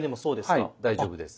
はい大丈夫です。